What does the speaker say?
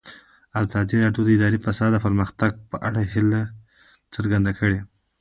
ازادي راډیو د اداري فساد د پرمختګ په اړه هیله څرګنده کړې.